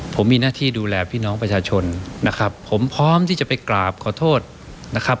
ผมมีหน้าที่ดูแลพี่น้องประชาชนนะครับผมพร้อมที่จะไปกราบขอโทษนะครับ